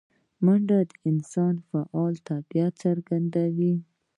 منډه د انسان فعاله طبیعت څرګندوي